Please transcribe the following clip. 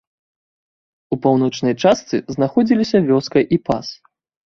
У паўночнай частцы знаходзіліся вёска і пас.